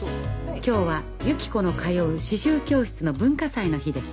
今日はゆき子の通う刺繍教室の文化祭の日です。